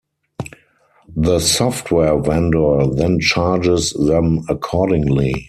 The software vendor then charges them accordingly.